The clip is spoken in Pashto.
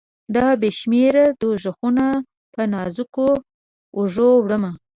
دا بې شمیره دوږخونه په نازکو اوږو، وړمه